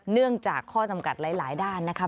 เนื่องจากข้อจำกัดหลายด้านนะคะ